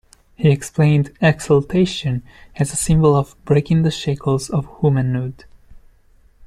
He explained "Exaltation" as a symbol of "breaking the shackles of womanhood".